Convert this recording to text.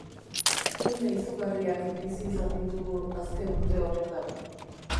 Une izugarriak bizi izan ditugu azken urte honetan.